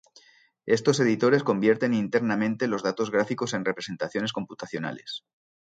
Estos editores convierten internamente los datos gráficos en representaciones computacionales.